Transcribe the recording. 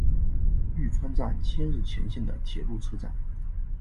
玉川站千日前线的铁路车站。